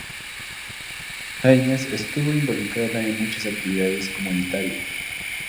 Haynes estuvo involucrada en muchas actividades comunitarias.